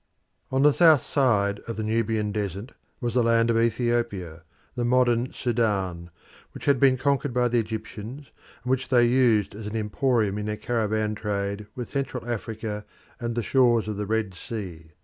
On the south side of the Nubian desert was the land of Ethiopia, the modern Sudan, which had been conquered by the Egyptians, and which they used as an emporium in their caravan trade with Central Africa and the shores of the Red Sea.